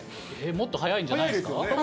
もっと早いんじゃないですか？